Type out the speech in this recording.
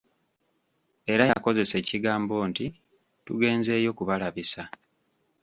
Era yakozesa ekigambo nti tugenzeeyo ‘kubalabisa.'